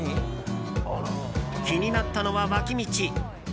気になったのは脇道。